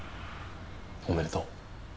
おめでとう。